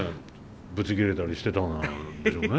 ぶち切れてたりしてたんでしょうね。